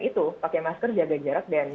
itu pakai masker jaga jarak dan